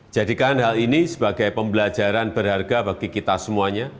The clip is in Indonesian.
jadikan hal ini sebagai pembelajaran berharga bagi kita semuanya